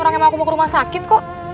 orang yang mau aku mau ke rumah sakit kok